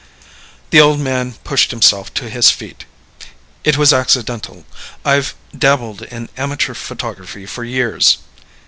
The old man pushed himself to his feet. "It was accidental. I've dabbled in amateur photography for years."